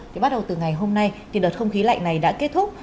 thì bắt đầu từ ngày hôm nay thì đợt không khí lạnh này đã kết thúc